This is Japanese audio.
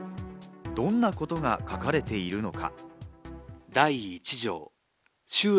どんなことが書かれているのか？